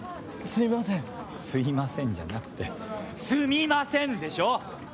すいませんじゃなくてすみませんでしょ！